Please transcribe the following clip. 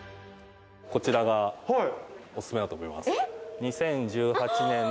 こちらがおすすめだと思います。